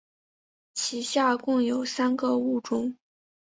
其下共有三个物种。